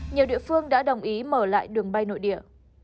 nhiều địa phương đã đồng ý mở lại đường bay nội địa